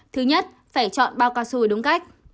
thứ nhất phải chọn bao cao su đúng cách